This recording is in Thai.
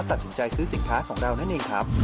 ตัดสินใจซื้อสินค้าของเรานั่นเองครับ